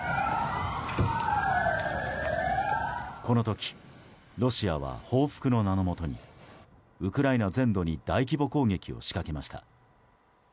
この時ロシアは報復の名のもとにウクライナ全土に大規模攻撃を仕掛けました。